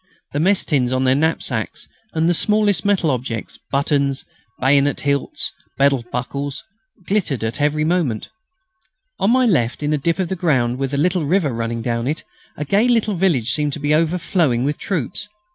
The mess tins on their knapsacks and the smallest metal objects buttons, bayonet hilts, belt buckles glittered at every movement. On my left, in a dip of ground with a little river running down it, a gay little village seemed to be overflowing with troops.